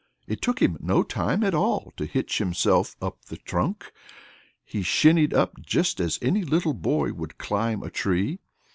It took him no time at all to hitch himself up the trunk. He shinned up just as any little boy would climb a tree.